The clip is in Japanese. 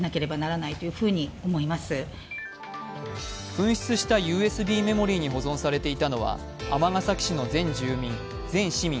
紛失したＵＳＢメモリーに保存されていたのは尼崎市の全市民